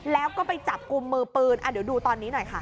แล้วก็ไปจับกลุ่มมือปืนเดี๋ยวดูตอนนี้หน่อยค่ะ